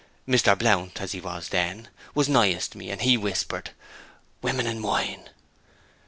Mr. Blount (as he was then) was nighest me, and he whispered, "Women and wine."